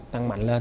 tăng mạnh lên